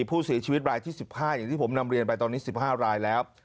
ผู้เสียชีวิตรายที่๑๕อย่างที่ผมนำเรียนไปตอนนี้๑๕รายแล้ว